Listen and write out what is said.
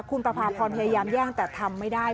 คุณประพาพรพยายามแย่งแต่ทำไม่ได้